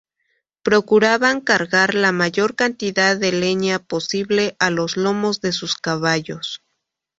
Procuraban cargar la mayor cantidad de leña posible a los lomos de sus caballos.